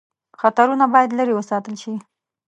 خطرونه باید لیري وساتل شي.